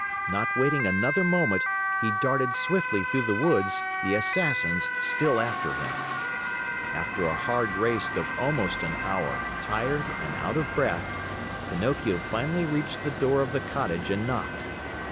Not waiting another moment, he darted swiftly through the woods, the Assassins still after him. After a hard race of almost an hour, tired and out of breath, Pinocchio finally reached the door of the cottage and knocked.